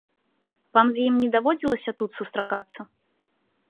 Вам з ім не даводзілася тут сустракацца?